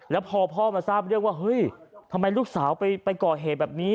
แล้วพอพ่อมาทราบเรื่องว่าเฮ้ยทำไมลูกสาวไปก่อเหตุแบบนี้